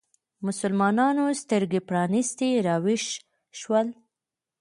مسلمانانو سترګې پرانیستې راویښ شول